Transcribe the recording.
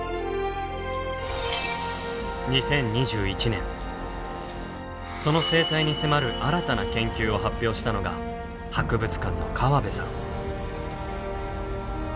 ２０２１年その生態に迫る新たな研究を発表したのが博物館の河部さん。